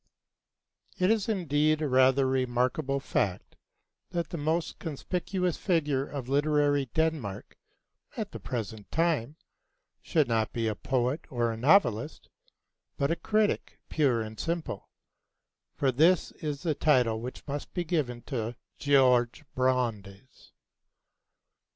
[Illustration: Georg Brandes] It is indeed a rather remarkable fact that the most conspicuous figure in literary Denmark at the present time should be not a poet or a novelist, but a critic pure and simple; for that is the title which must be given to Georg Brandes.